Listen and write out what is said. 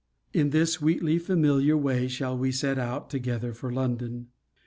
In this sweetly familiar way shall we set out together for London.